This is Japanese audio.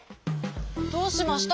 どうしました？